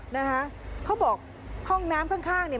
นะคะเขาบอกห้องน้ำข้างข้างเนี่ย